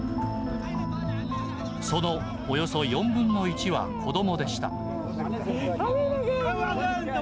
そのおよそ４分の１は子どもでした。